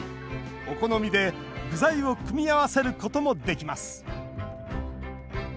お好みで具材を組み合わせることもできます。